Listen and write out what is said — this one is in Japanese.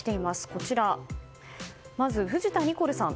こちら、まず藤田ニコルさん。